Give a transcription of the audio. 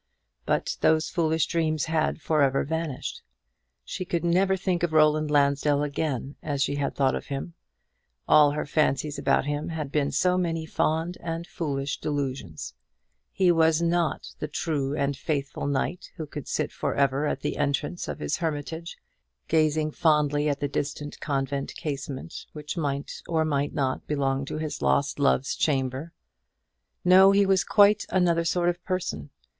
But those foolish dreams had for ever vanished. She could never think of Roland Lansdell again as she had thought of him. All her fancies about him had been so many fond and foolish delusions. He was not the true and faithful knight who could sit for ever at the entrance of his hermitage gazing fondly at the distant convent casement, which might or might not belong to his lost love's chamber. No; he was quite another sort of person.